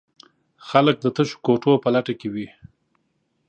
خلک د تشو کوټو په لټه کې وي.